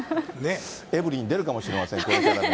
エブリィに出るかもしれません、これからも。